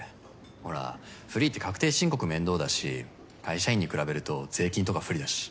ほらフリーって確定申告面倒だし会社員に比べると税金とか不利だし。